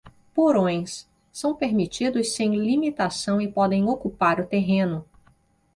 Porões: são permitidos sem limitação e podem ocupar o terreno.